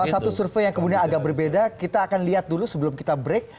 satu survei yang kemudian agak berbeda kita akan lihat dulu sebelum kita break